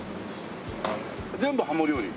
全部ハモ料理？